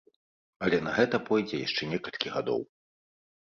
Але на гэта пойдзе яшчэ некалькі гадоў.